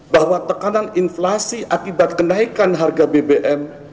bahwa tekanan inflasi akibat kenaikan harga bbm